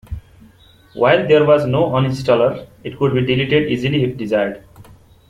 While there was no uninstaller, it could be deleted easily if desired.